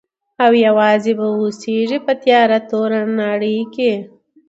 او یوازي به اوسیږي په تیاره توره نړۍ کي.